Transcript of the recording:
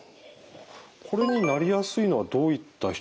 これになりやすいのはどういった人でしょうか？